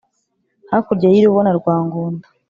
Hakurya y'i Rubona rwa Ngunda